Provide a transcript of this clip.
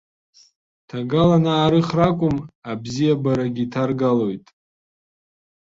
Ҭагалан аарыхра акәым, абзиабарагьы ҭаргалоит.